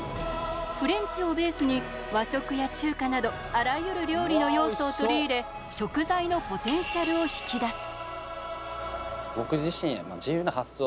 フレンチをベースに和食や中華などあらゆる料理の要素を取り入れ食材のポテンシャルを引き出す。